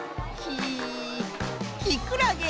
きくらげ。